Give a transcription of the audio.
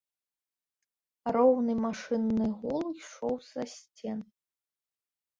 Роўны машынны гул ішоў з-за сцен.